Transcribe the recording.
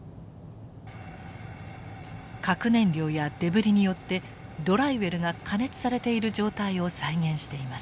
核燃料やデブリによってドライウェルが加熱されている状態を再現しています。